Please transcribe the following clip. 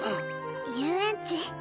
遊園地。